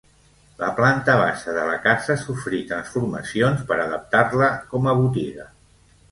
La planta baixa de la casa sofrí transformacions per adaptar-la com a botiga.